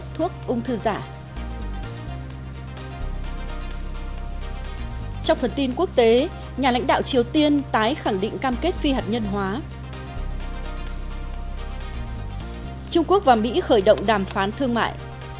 trung quốc và mỹ khởi động đàm phán thương mại